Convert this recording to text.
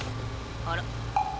あら？